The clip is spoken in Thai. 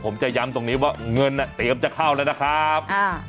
ผมจะย้ำตรงนี้ว่าเงินเตรียมจะเข้าแล้วนะครับ